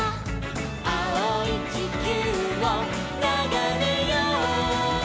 「あおいちきゅうをながめよう！」